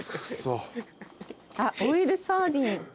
あっオイルサーディン。